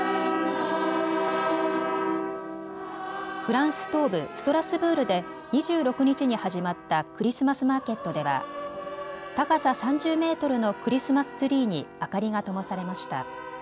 フランス東部ストラスブールで２６日に始まったクリスマスマーケットでは高さ３０メートルのクリスマスツリーに明かりがともされました。